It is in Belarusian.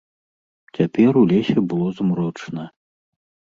Цяпер у лесе было змрочна.